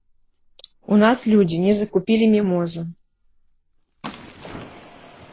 У нас людзі не закупілі мімозу.